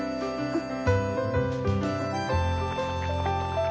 あっ。